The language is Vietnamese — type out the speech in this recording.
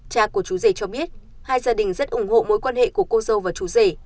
cha của chú rể cho biết hai gia đình rất ủng hộ mối quan hệ của cô dâu và chủ rể